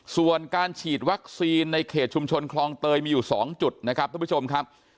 ส่วนการฉีดวัคซีนในเขตชุมชนคลองเตยมีอยู่๒จุดนะครับทุกผู้ชมครับ